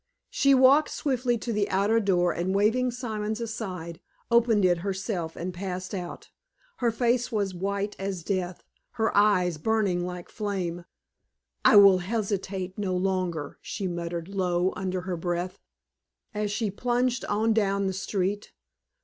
She walked swiftly to the outer door, and waving Simons aside, opened it herself and passed out. Her face was white as death, her eyes burning like flame. "I will hesitate no longer!" she muttered low under her breath as she plunged on down the street.